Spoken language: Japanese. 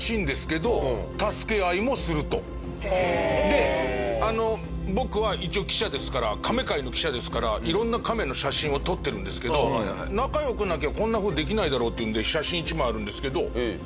で僕は一応記者ですからカメ界の記者ですから色んなカメの写真を撮ってるんですけど仲良くなきゃこんな事できないだろっていうんで写真１枚あるんですけど。